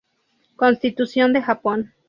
Constitución de Japón.